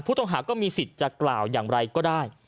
ก็มีสิทธิ์จะกล่าวอย่างไรก็ได้